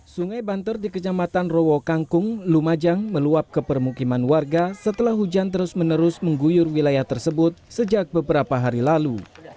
sungai banter di kecamatan rowo kangkung lumajang meluap ke permukiman warga setelah hujan terus menerus mengguyur wilayah tersebut sejak beberapa hari lalu